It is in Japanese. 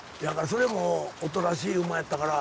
それもおとなしい馬やったから。